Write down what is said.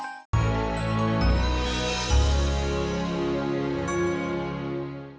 atau menurut dokter mana yang lebih baik